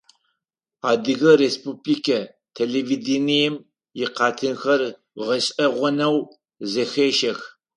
Адыгэ республикэ телевидением икъэтынхэр гъэшӀэгъонэу зэхещэх.